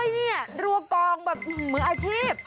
เนี่ยรัวครองแบบเหมือนอาชีพ